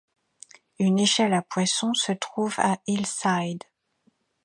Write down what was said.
Une échelle à poissons se trouve à Hillside.